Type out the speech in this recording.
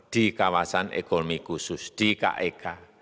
di kawasan ekonomi khusus di kek